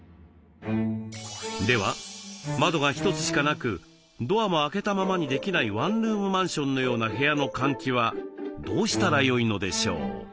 では窓が一つしかなくドアも開けたままにできないワンルームマンションのような部屋の換気はどうしたらよいのでしょう？